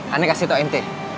ane kasih tau ente